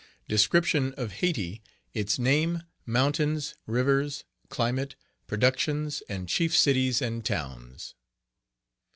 Description of Hayti Its name, mountains, rivers, climate, productions, and chief cities and towns.